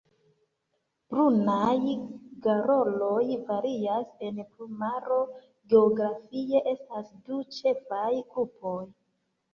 Brunaj garoloj varias en plumaro geografie: estas du ĉefaj grupoj.